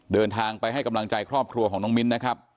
เดินทางไปให้กำลังใจครอบครัวของน้องมิ้นนะครับ